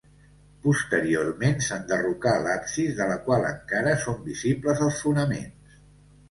Posteriorment s'enderrocà l'absis de la qual encara són visibles els fonaments.